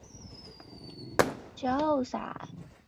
蒂亚格拉贾最著名的五首曲上演奏。